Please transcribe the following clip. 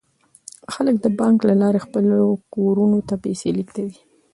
خلک د بانک له لارې خپلو کورنیو ته پیسې لیږدوي.